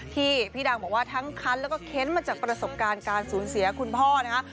ที่พี่ดังบอกว่าทั้งคันแล้วก็เค้นมาจากประสบการณ์การสูญเสียคุณพ่อนะคะ